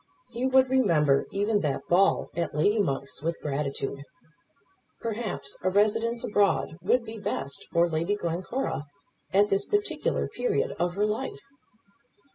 He would remember even that ball at Lady Monk's with gratitude. Perhaps a residence abroad would be best for Lady Glencora at this particular period of her life.